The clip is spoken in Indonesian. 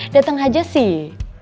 dateng aja sih